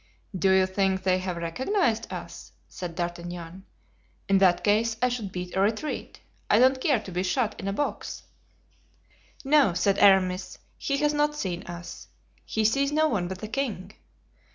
"Do you think they have recognized us?" said D'Artagnan. "In that case I should beat a retreat. I don't care to be shot in a box." "No," said Aramis, "he has not seen us. He sees no one but the king.